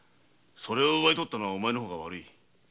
それを奪ったのはお前の方が悪い。